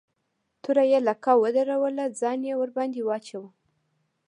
توره يې لکه ودروله ځان يې ورباندې واچاوه.